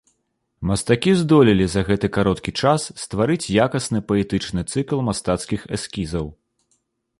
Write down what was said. Мастакі здолелі за гэты кароткі час стварыць якасны паэтычны цыкл мастацкіх эскізаў.